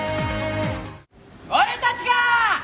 俺たちが！